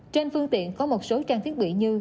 trên phương tiện có một số trang thiết bị như